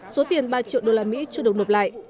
số tiền ba triệu usd chưa được nộp lại